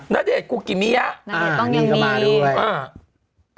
นาเดชกุกิเมียต้องยังมีนาเดชกบภาดด้วย